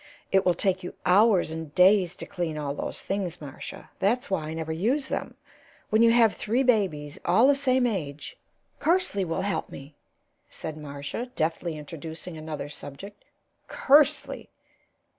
"It will take you hours and days to clean all those things, Marcia; that's why I never use them. When you have three babies all the same age " "Kersley will help me," said Marcia, deftly introducing another subject. "Kersley!"